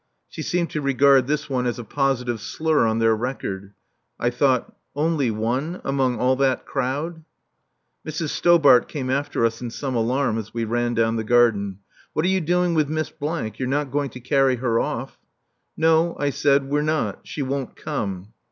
She seemed to regard this one as a positive slur on their record. I thought: "Only one among all that crowd!" Mrs. Stobart came after us in some alarm as we ran down the garden. "What are you doing with Miss ? You're not going to carry her off?" "No," I said, "we're not. She won't come."